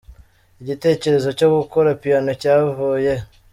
Igitekerezo cyo gukora piano cyavuye he?.